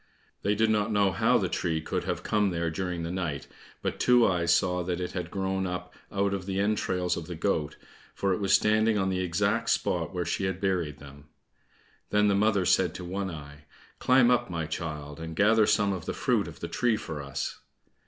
They did not know how the tree could have come there during the night, but Two eyes saw that it had grown up out of the entrails of the goat, for it was standing on the exact spot where she had buried them. Then the mother said to One eye, "Climb up, my child, and gather some of the fruit of the tree for us."